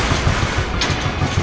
remnya gak berfungsi